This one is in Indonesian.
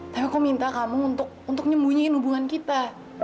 tapi aku minta kamu untuk nyembunyiin hubungan kita